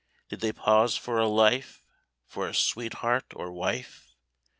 Did they pause for a life, For a sweetheart or wife?